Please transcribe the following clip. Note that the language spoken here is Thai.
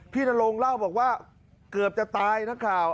พี่นโรงเล่าบอกว่าเกือบจะตายนะครับ